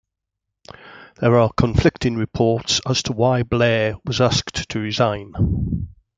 There are conflicting reports as to why Blair was asked to resign.